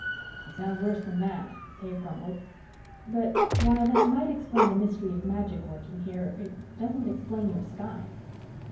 "It sounds worse than that," Dave grumbled. "But while that might explain the mystery of magic working here, it doesn't explain your sky."